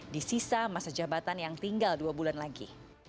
di sisa masa jabatan yang tinggal dua bulan lagi